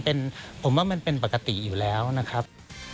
เป็นผมว่ามันเป็นปกติอยู่แล้วนะครับ